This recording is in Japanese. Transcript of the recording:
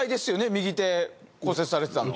右手骨折されてたの。